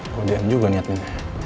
gue diam juga nih admin